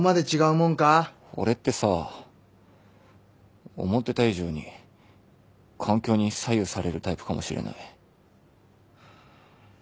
俺ってさ思ってた以上に環境に左右されるタイプかもしれない。